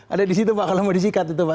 ada disitu pak kalau mau disikat itu pak